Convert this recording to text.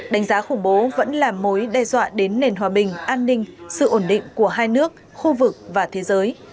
đánh giá khủng bố vẫn là mối đe dọa đến nền hòa bình an ninh sự ổn định của hai nước khu vực và thế giới